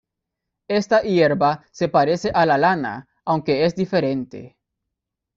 Esta hierba se parece a la lana, aunque es diferente".